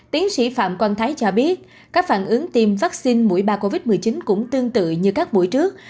tiến sĩ phạm quang thái cho biết các phản ứng tiêm vaccine mũi ba covid một mươi chín cũng tương tự như các buổi trước